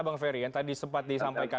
bang ferry yang tadi sempat disampaikan